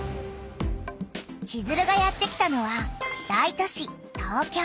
チズルがやってきたのは大都市東京。